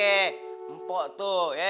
empok tuh ya